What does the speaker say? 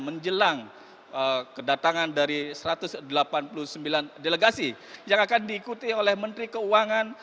menjelang kedatangan dari satu ratus delapan puluh sembilan delegasi yang akan diikuti oleh menteri keuangan